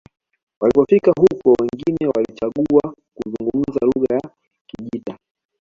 walipofika huko wengine walichagua kuzungumza lugha ya kijita